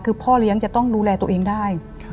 คือพ่อเลี้ยงจะต้องดูแลตัวเองได้